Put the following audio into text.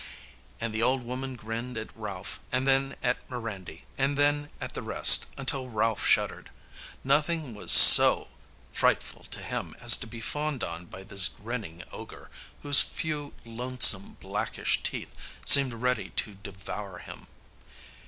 And the old woman grinned at Ralph, and then at Mirandy, and then at the rest, until Ralph shuddered. Nothing was so frightful to him as to be fawned on by this grinning ogre, whose few lonesome, blackish teeth seemed ready to devour him.